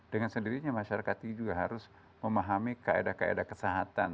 dengan sendirinya masyarakat ini juga harus memahami kaedah kaedah kesehatan